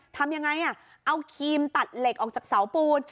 ทำยังไงเอาครีมตัดเหล็กออกจากเสาปูน